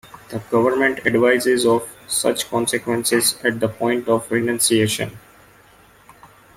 The government advises of such consequences at the point of renunciation.